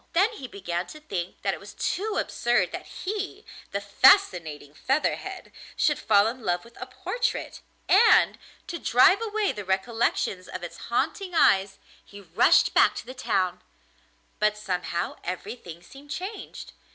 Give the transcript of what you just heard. Then he began to think that it was too absurd that he, the fascinating Featherhead, should fall in love with a portrait; and, to drive away the recollections of its haunting eyes, he rushed back to the town; but somehow everything seemed changed.